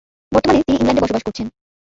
বর্তমানে তিনি ইংল্যান্ডে বসবাস করছেন।